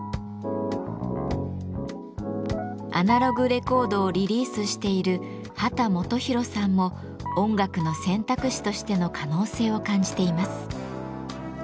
アナログレコードをリリースしている秦基博さんも音楽の選択肢としての可能性を感じています。